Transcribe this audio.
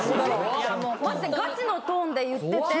マジでガチのトーンで言ってて。